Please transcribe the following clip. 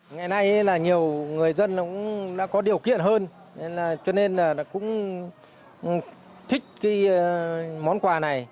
ngày nay là nhiều người dân cũng đã có điều kiện hơn cho nên là cũng thích cái món quà này